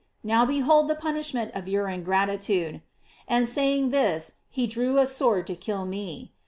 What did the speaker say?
Now behold the punishment of your ingratitude,' and saying this he drew a sword to kill me.